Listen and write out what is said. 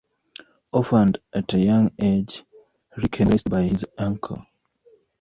Orphaned at a young age, Ryken was raised by his uncle.